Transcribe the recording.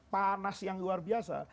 panas yang luar biasa